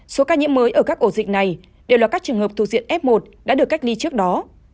số ca nhiễm mới ở các ổ dịch này đều là các trường hợp thuộc diện f một đã được cách ly trước đó